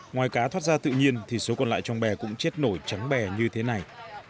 ngoài cá thoát ra tự nhiên thì số còn lại trong bè cũng chết nổi trắng bè như thế này